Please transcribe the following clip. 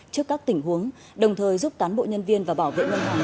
trước các tình huống đồng thời giúp tán bộ nhân viên và bảo vệ ngân hàng